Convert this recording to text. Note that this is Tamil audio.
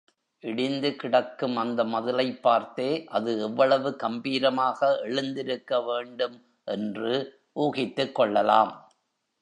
இடிந்து கிடக்கும் அந்த மதிலைப் பார்த்தே அது எவ்வளவு கம்பீரமாக எழுந்திருக்கவேண்டும் என்று ஊகித்துக் கொள்ளலாம்.